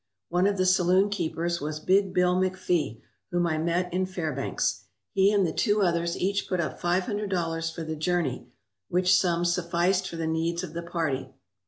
One of the saloon keepers was "Big Bill McPhee," whom I met in Fairbanks. He and the two others each put up five hundred dollars for the journey, which sum sufficed for the needs of the party.